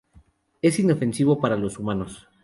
Es inofensivo para los humanos